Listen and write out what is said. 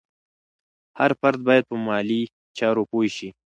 هر فرد باید په مالي چارو پوه شي.